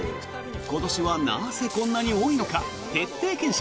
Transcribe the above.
今年はなぜこんなに多いのか徹底検証。